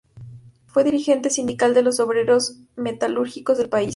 Fue dirigente sindical de los obreros metalúrgicos del país.